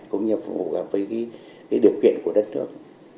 cũng như phù hợp với điều kiện của đất nước